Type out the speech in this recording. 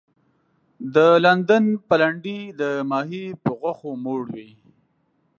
د لندن پلنډي د ماهي په غوښو موړ وي.